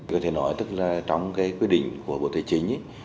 có thể nói tức là trong cái quyết định của bộ tài chính